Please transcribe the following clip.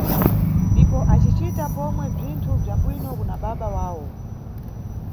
Ndipo acicita pomwe bzinthu bza bwino kuna baba wawo.